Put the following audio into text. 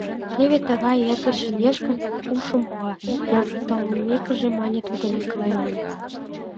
— Теве тыгай эргыч лиеш гын, ушым пуа, — пӧртылмекыже мане тудо Миклайлан.